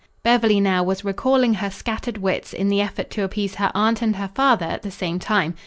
Beverly now was recalling her scattered wits in the effort to appease her aunt and her father at the same time.